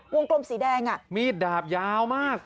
วงกลมสีแดงนี่คุณผู้ชมมีดดาบยาวมาก